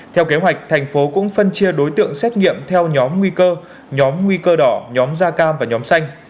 theo kế hoạch thành phố cũng phân chia đối tượng xét nghiệm theo nhóm nguy cơ nhóm nguy cơ đỏ nhóm da cam và nhóm xanh